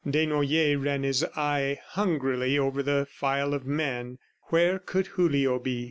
Desnoyers ran his eye hungrily over the file of men. Where could Julio be?